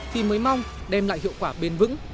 thì mới mong đem lại hiệu quả bền vững